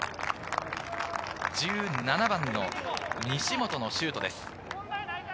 １７番の西本のシュートです。